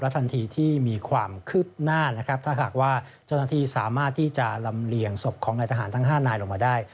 ทันทีที่มีความคืบหน้านะครับถ้าหากว่าเจ้าหน้าที่สามารถที่จะลำเลียงศพของนายทหารทั้ง๕นายลงมาได้